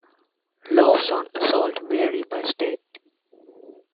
Laws on assault vary by state.